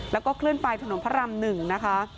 แล้วก็เคลื่อนไปถนนพระราม๑นะคะ